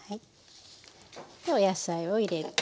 でお野菜を入れて。